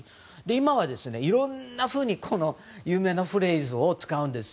今はいろんなふうにこの有名なフレーズを使うんです。